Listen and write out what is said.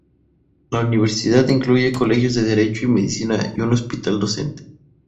La universidad incluye colegios de Derecho y Medicina y un hospital docente.